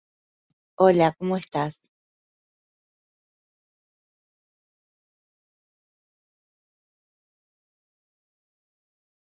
La Carretera se inicia en San Fernando y finaliza en la ciudad de Pichilemu.